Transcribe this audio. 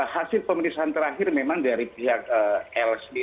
hasil pemeriksaan terakhir memang dari pihak l sendiri